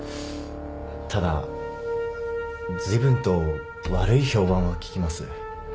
ただずいぶんと悪い評判は聞きます